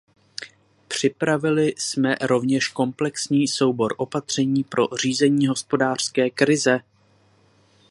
Připravili jsme rovněž komplexní soubor opatření pro řízení hospodářské krize.